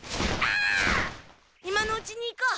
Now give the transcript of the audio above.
今のうちに行こう！